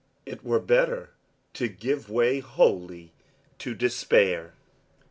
It were better to give way wholly to despair!